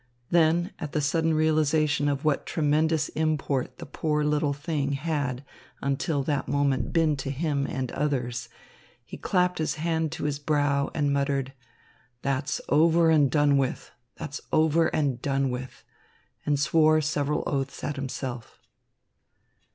Then, at the sudden realisation of what tremendous import the "poor little thing" had until that moment been to him and others, he clapped his hand to his brow and muttered, "That's over and done with, that's over and done with," and swore several oaths at himself.